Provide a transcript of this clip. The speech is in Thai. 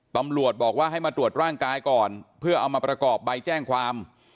ตำรวจบอกว่าให้มาตรวจร่างกายก่อนเพื่อเอามาประกอบใบแจ้งความ